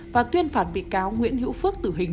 và tuyên phạt bị cáo nguyễn hữu phước tử hình